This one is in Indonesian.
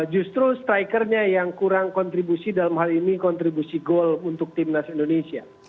justru strikernya yang kurang kontribusi dalam hal ini kontribusi gol untuk timnas indonesia